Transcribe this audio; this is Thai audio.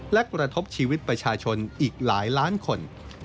และกระทบชีวิตประชาชนอีกหลายล้านคน